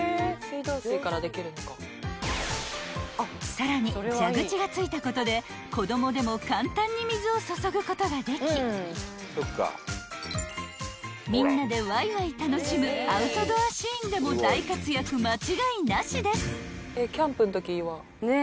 ［さらに蛇口が付いたことで子供でも簡単に水を注ぐことができみんなでワイワイ楽しむアウトドアシーンでも大活躍間違いなしです］